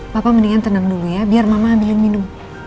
bapak mendingan tenang dulu ya biar mama ambilin minum